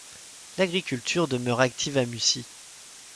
L'agriculture demeure active à Mussy.